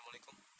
karena mau pukul